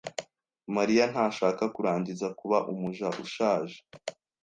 Mariya ntashaka kurangiza kuba umuja ushaje.